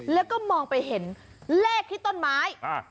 แล้วก็มองไปเห็นเลขที่ต้นไม้